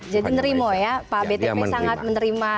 jadi menerima ya pak btp sangat menerima semua ini ya